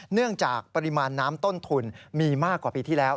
เนื่องจากปริมาณน้ำต้นทุนมีมากกว่าปีที่แล้ว